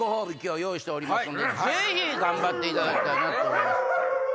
ぜひ頑張っていただきたいなと思います。